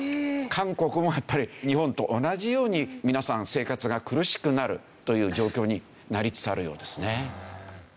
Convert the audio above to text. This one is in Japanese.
韓国もやっぱり日本と同じように皆さん生活が苦しくなるという状況になりつつあるようですね。